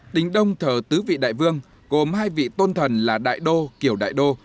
tính đông thờ tứ vị đại vương gồm hai vị tôn thần là đại đô kiểu đại đô